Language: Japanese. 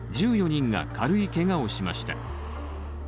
１４人が軽いけがをしました。